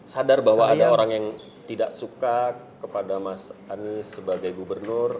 sadar bahwa ada orang yang tidak suka kepada mas anies sebagai gubernur